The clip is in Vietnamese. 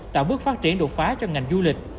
tạo bước phát triển đột phá cho ngành du lịch